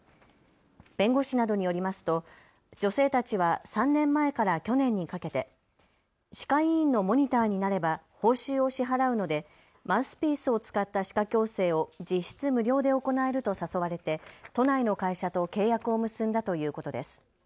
弁護士などによりますと女性たちは３年前から去年にかけて歯科医院のモニターになれば報酬を支払うのでマウスピースを使った歯科矯正を実質無料で行えると誘われて都内の会社と契約を結んだということです。